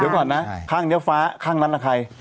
เดี๋ยวก่อนนะข้างเนื้อฟ้าข้างนั้นใคร